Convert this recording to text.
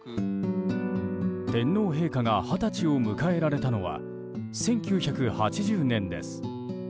天皇陛下が二十歳を迎えられたのは１９８０年です。